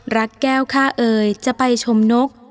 แก้วค่าเอยจะไปชมนก